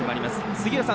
杉浦さん